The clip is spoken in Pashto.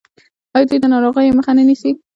آیا دوی د ناروغیو مخه نه نیسي؟